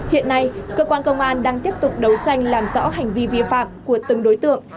hiện nay cơ quan công an đang tiếp tục đấu tranh làm rõ hành vi vi phạm của từng đối tượng